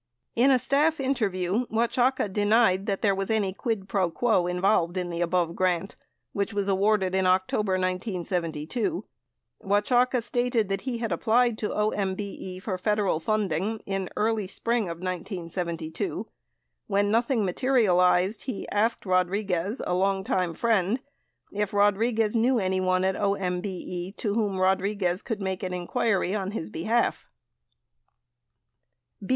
85 In a staff interview, Oaxaca denied that there was any quid pro quo involved in the above grant, which was awarded in October 1972. Oaxaca stated that he had applied to OMBE for Federal funding in early spring of 1972. When nothing materialized, he asked Rodriguez, a longtime friend, if Rodriguez knew anyone at OMBE to whom Rodriguez could make an inquiry on his behalf.